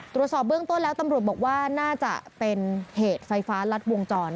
ตรวจสอบเบื้องต้นแล้วตำรวจบอกว่าน่าจะเป็นเหตุไฟฟ้ารัดวงจร